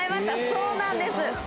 そうなんです。